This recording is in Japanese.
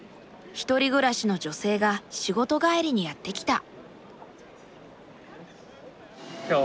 １人暮らしの女性が仕事帰りにやって来た。